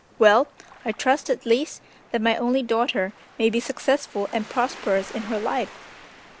Well, I trust, at least, that my only daughter may be successful and prosperous in her life!'